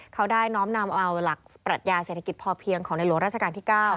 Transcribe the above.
เขาได้น้อมนำเอาหลักปรัชญาเศรษฐกิจพอเพียงของในหลวงราชการที่๙